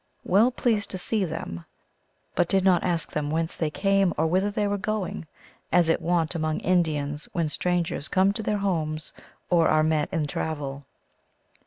well pleased to see them, but did not ask them whence they came or whither they were going, as is wont among Indians when strangers come to their homes or are met in travel.